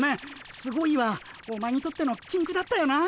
「すごい」はお前にとってのきんくだったよな。